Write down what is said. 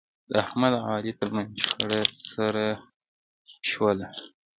د احمد او علي ترمنځ شخړه سړه شوله.